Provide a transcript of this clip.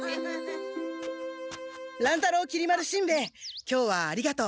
乱太郎きり丸しんべヱ今日はありがとう。